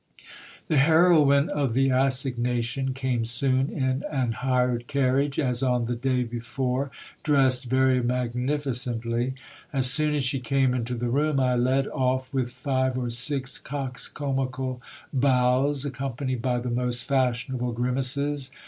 The heroine of the assignation came soon in an hired carriage, as on the day before, dressed very magnificently. As soon as she came into the room, I led off with five or six coxcombical bows, accompanied by the most fashionable grimaces.